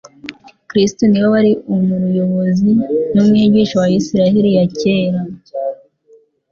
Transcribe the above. Kristo ni we wari Unruyobozi n'Umwigisha wa Isiraeli ya kera,